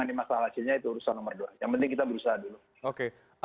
untuk keputusan ini melalui